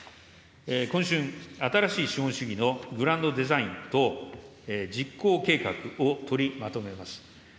今春、新しい資本主義のグランドデザインと、実行計画を取りまとめます。